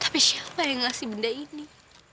tapi siapa yang ngasih benda ini